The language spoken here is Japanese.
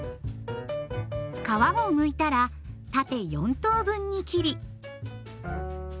皮をむいたら縦４等分に切り。